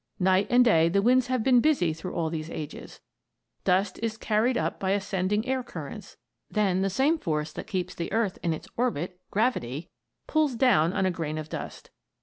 Night and day the winds have been busy through all these ages. Dust is carried up by ascending air currents. Then the same force that keeps the earth in its orbit gravity pulls down on a grain of dust.